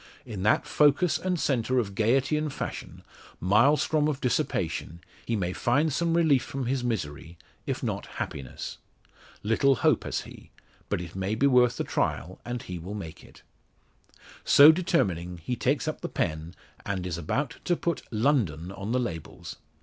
In that focus and centre of gaiety and fashion Maelstrom of dissipation he may find some relief from his misery, if not happiness. Little hope has he; but it may be worth the trial and he will make it. So determining, he takes up the pen, and is about to put "London" on the labels.